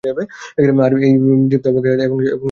আর এই দৃপ্ত অবজ্ঞা, সেও যেন ওর অলংকার।